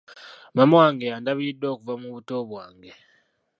Maama wange y'andabiridde okuva mu buto bwange.